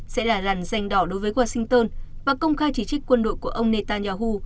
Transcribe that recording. sẽ là lần danh đỏ đối với washington và công khai chỉ trích quân đội của ông netanyahu